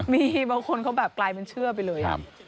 มีบางคนเขาแบบกลายเป็นเชื่อไปเลย